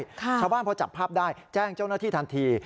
ชาวบ้านพอจับภาพได้แจ้งเจ้าหน้าที่ทันที